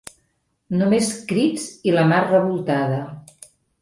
Només crits i la mar revoltada.